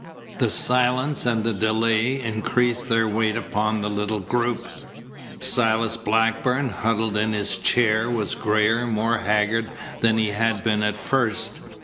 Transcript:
The silence and the delay increased their weight upon the little group. Silas Blackburn, huddled in his chair, was grayer, more haggard than he had been at first.